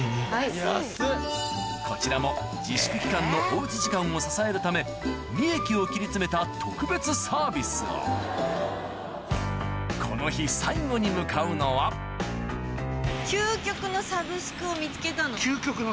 こちらも自粛期間のお家時間を支えるため利益を切り詰めた特別サービスをこの日最後に向かうのはを見つけたの。